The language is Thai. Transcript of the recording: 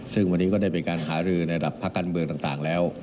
ซึ่งวันนี้ก็ได้เป็นการหารือในระดับพักการเมืองต่างแล้ว